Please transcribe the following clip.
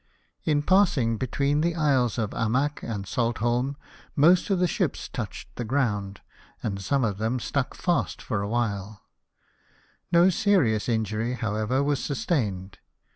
In passing between the isles of Amak and Saltholm, most of the ships touched the ground, and some of them stuck fast for a while : no serious injury, however, was sustained.